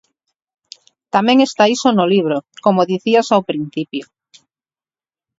Tamén está iso no libro, como dicías ao principio.